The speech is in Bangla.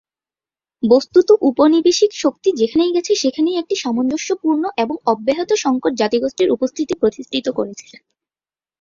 বস্তুত, উপনিবেশিক শক্তি যেখানেই গেছে সেখানেই একটি সামঞ্জস্যপূর্ণ এবং অব্যাহত সংকর জাতিগোষ্ঠীর উপস্থিতি প্রতিষ্ঠিত করেছে।